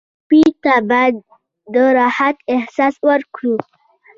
ټپي ته باید د راحت احساس ورکړو.